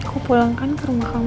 gue pulang kan ke rumah kamu